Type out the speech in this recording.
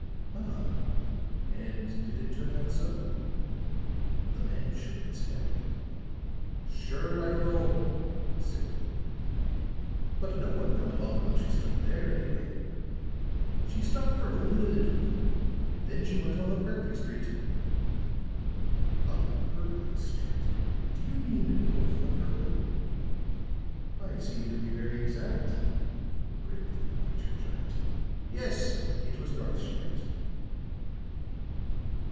"Ah! And did it turn out so?" The man shook his head. "Sure, I dunno," said he. "But no one come along while she stood there, anyway. She stopped for only a little, though; then she went on up Berkley Street." "Up Berkley Street? Do you mean north on Berkley?" "I see you do be very exact," grinned the good natured giant. "Yes; it was north she went."